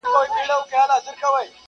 زاهده مه راوړه محفل ته توبه ګاري کیسې!.